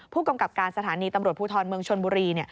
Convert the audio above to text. ผู้กำกับการสถานีตำรวจภูทรเมืองชนบุรี